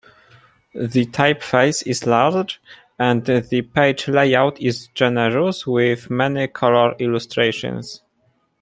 The typeface is large, and the page layout is generous with many color illustrations.